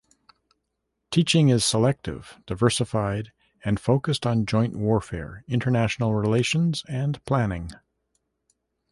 Teaching is selective, diversified, and focused on joint warfare, international relations, and planning.